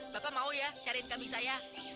bapak mau ya cariin kambing saya